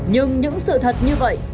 nhưng những sự thật như vậy